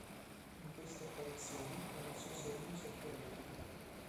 In queste apparizioni, ha messo a segno sette reti.